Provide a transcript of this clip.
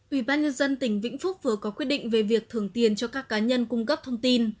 ủy ban nhân dân tỉnh vĩnh phúc vừa có quyết định về việc thưởng tiền cho các cá nhân cung cấp thông tin